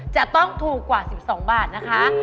จะต้องถูกกว่า๑๒บาทนะคะ